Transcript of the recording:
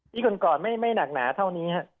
ปีก่อนไม่หนักหนาเท่านี้ครับ